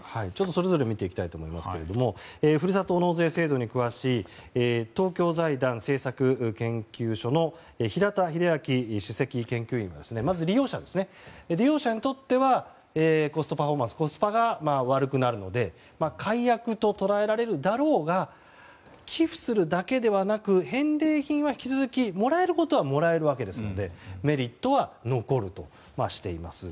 それぞれ見ていきたいと思いますがふるさと納税制度に詳しい東京財団政策研究所の平田英明主席研究員ですがまず利用者にとってはコストパフォーマンスコスパが悪くなるので改悪と捉えられるだろうが寄付するだけではなく返礼品は引き続きもらえることはもらえるわけですのでメリットは残るとしています。